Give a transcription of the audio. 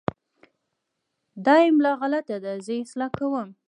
دا املا غلط ده، زه یې اصلاح کوم.